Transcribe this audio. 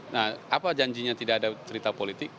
nah apa janjinya tidak ada cerita politik